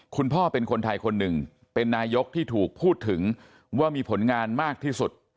คุณพ่อเป็นคนไทยคนหนึ่งเป็นนายกที่ถูกพูดถึงว่ามีผลงานมากที่สุด